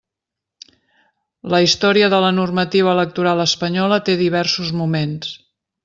La història de la normativa electoral espanyola té diversos moments.